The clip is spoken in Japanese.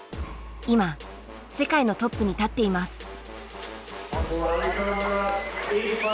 今世界のトップに立っています。